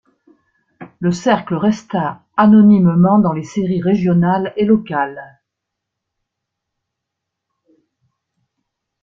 Le cercle resta anonymement dans les séries régionales et locales.